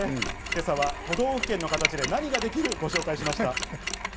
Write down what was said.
今朝は都道府県の形で何ができる？をご紹介しました。